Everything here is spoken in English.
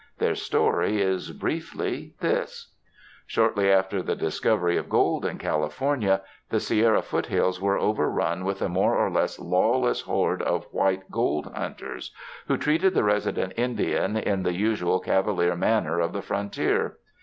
Their story is briefly this : Shortly after the discovery of gold in California, the Sierra foothills were overrun with a more or less lawless horde of white gold hunters, who treated the resident Indian in the usual cavalier manner of the frontier.